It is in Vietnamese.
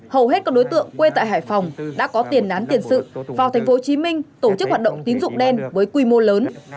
hầu hết các đối tượng quê tại hải phòng đã có tiền án tiền sự vào tp hcm tổ chức hoạt động tín dụng đen với quy mô lớn